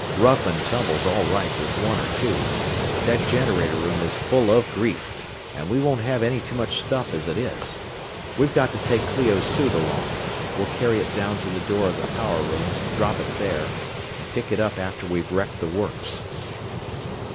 "Rough and tumble's all right with one or two, but that generator room is full of grief, and we won't have any too much stuff as it is. We've got to take Clio's suit along we'll carry it down to the door of the power room, drop it there, and pick it up after we've wrecked the works."